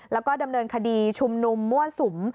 แล้วก็ดำเนินคดีชุมนุมมั่วสุม